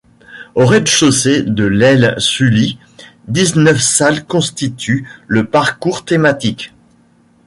Au rez-de-chaussée de l'aile Sully, dix-neuf salles constituent le parcours thématique.